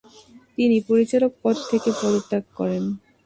তিনি পরিচালক পদ থেকে পদত্যাগ করেন ।